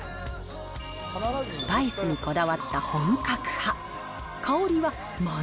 スパイスにこだわった本格派。